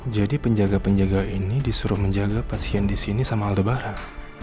jadi penjaga penjaga ini disuruh menjaga pasien disini sama aldebaran